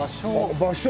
「場所」。